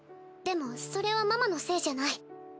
でもそれはママのせいじゃない。